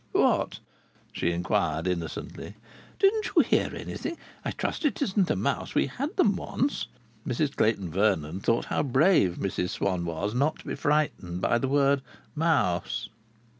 "What?" she inquired innocently. "Didn't you hear anything? I trust it isn't a mouse! We have had them once." Mrs Clayton Vernon thought how brave Mrs Swann was, not to be frightened by the word "mouse."